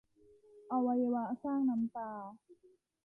อวัยวะสร้างน้ำตา